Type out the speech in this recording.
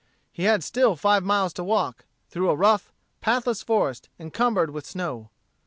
He had still five miles to walk, through a rough, pathless forest, encumbered with snow.